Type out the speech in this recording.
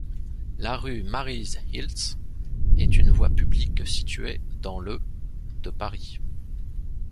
La rue Maryse-Hilsz est une voie publique située dans le de Paris.